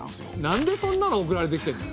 なんでそんなの送られてきてるの？